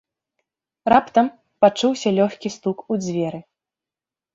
Раптам пачуўся лёгкі стук у дзверы.